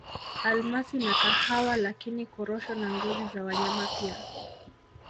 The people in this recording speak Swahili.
Almasi na kahawa lakini Korosho na ngozi za wanyama pia